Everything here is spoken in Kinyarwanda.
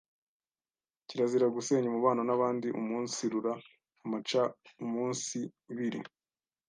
Kirazira gusenya umubano n’abandi uumunsirura amacaumunsibiri